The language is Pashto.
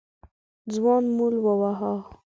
ځوان مول وواهه.